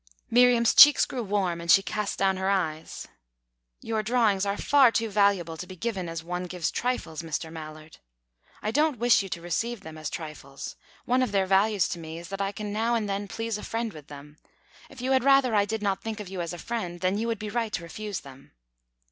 Miriam's cheeks grew warm, and she east down her eyes. "Your drawings are far too valuable to be given as one gives trifles, Mr. Mallard." "I don't wish you to receive them as trifles. One of their values to me is that I can now and then please a friend with them. If you had rather I did not think of you as a friend, then you would be right to refuse them."